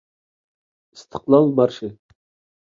ئىستىقلال مارشى